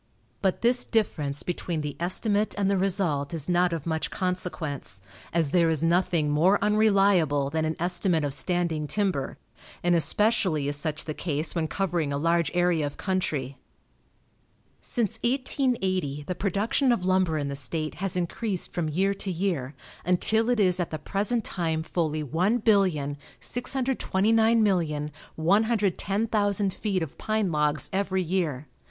But this difference between the estimate and the result is not of much consequence, as there is nothing more unreliable than an estimate of standing timber, and especially is such the case when covering a large area of country. Since 1880 the production of lumber in the state has increased from year to year, until it is at the present time fully 1,629,110,000 feet of pine logs every year.